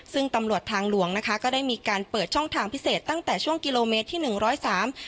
ซึ่งตำรวจทางหลวงนะคะก็ได้มีการเปิดช่องทางพิเศษตั้งแต่ช่วงกิโลเมตรที่หนึ่งร้อยสาม